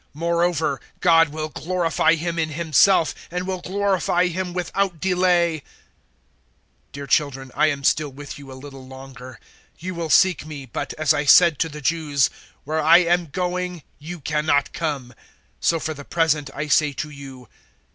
013:032 Moreover God will glorify Him in Himself, and will glorify Him without delay. 013:033 Dear children, I am still with you a little longer. You will seek me, but, as I said to the Jews, `Where I am going you cannot come,' so for the present I say to you.